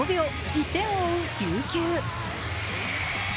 １点を追う琉球。